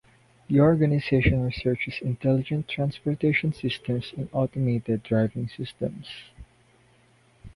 The organisation researches intelligent transportation systems and automated driving systems.